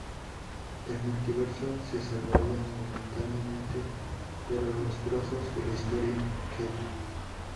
El multiverso se salvaría momentáneamente, pero los trozos de historia que Mr.